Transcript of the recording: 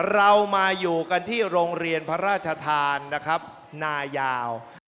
เรามาอยู่กันที่โรงเรียนพระราชทานนะครับนายาว